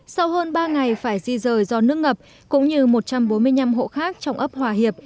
sau hơn ba ngày phải di rời do nước ngập cũng như một trăm bốn mươi năm hộ khác trong ấp hòa hiệp